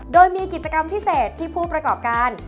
โดยมีกิจกรรมพิเศษที่ผู้ประกอบการ